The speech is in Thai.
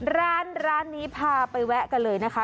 ร้านร้านนี้พาไปแวะกันเลยนะคะ